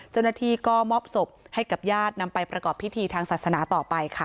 เจ้าหน้าที่ก็มอบศพให้กับญาตินำไปประกอบพิธีทางศาสนาต่อไปค่ะ